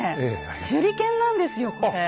手裏剣なんですよこれ。